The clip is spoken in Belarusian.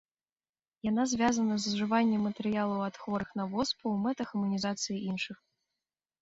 Яна звязана з ужываннем матэрыялаў ад хворых на воспу ў мэтах імунізацыі іншых.